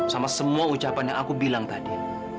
sama semua ucapan yang aku bilang tadi